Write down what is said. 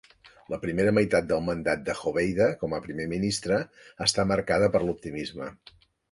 La primera meitat del mandat de Hoveyda com a primer ministre està marcada per l'optimisme.